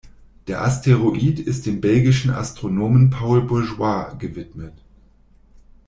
Der Asteroid ist dem belgischen Astronomen Paul Bourgeois gewidmet.